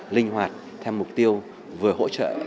linh hoạt theo mục tiêu vừa hỗ trợ